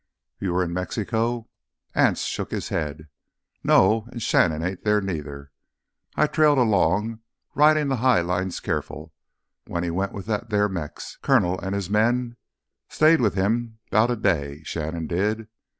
"You were in Mexico?" Anse shook his head. "No, an' Shannon ain't there, neither. I trailed along—ridin' th' high lines careful—when he went with that there Mex Coronel an' his men. Stayed with him 'bout a day, Shannon did.